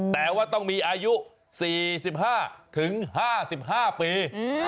แต่ว่าต้องมีอายุ๔๕๕ปี